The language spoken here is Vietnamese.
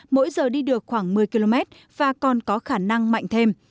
mỗi giờ đi được khoảng một mươi km và còn có khả năng mạnh thêm